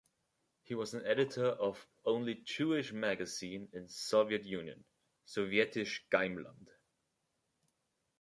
He was an editor of only Jewish magazine in Soviet Union : "Sovetish Geimland".